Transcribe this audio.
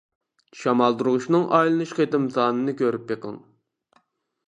شامالدۇرغۇچنىڭ ئايلىنىش قېتىم سانىنى كۆرۈپ بېقىڭ.